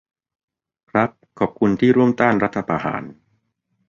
ครับ ขอบคุณที่ร่วมต้านรัฐประหาร